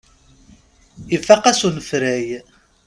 Ifaq-as unefray.